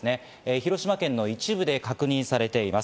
広島県の一部で確認されています。